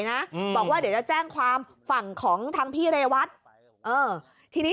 นะบอกว่าเดี๋ยวจะแจ้งความฝั่งของทางพี่เรวัตเออทีนี้